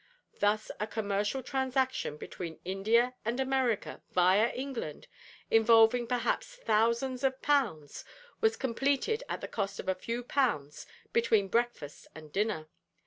Thus a commercial transaction between India and America, via England, involving, perhaps, thousands of pounds, was completed at the cost of a few pounds between breakfast and dinner.